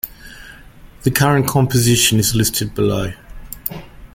The current composition is listed below.